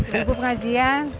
gue buku pengajian